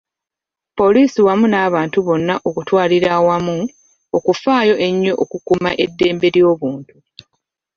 Poliisi wamu n’abantu bonna okutwalira awamu, okufaayo ennyo ku kukuuma eddembe ly’obuntu.